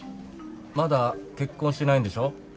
まだ結婚してないんでしょ？